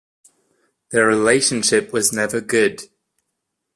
Their relationship was never good.